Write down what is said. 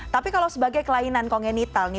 tapi kalau sebagai kelainan kongenital nih